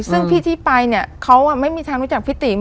ซึ่งพี่ที่ไปเนี่ยเขาไม่มีทางรู้จักพี่ติ๋ม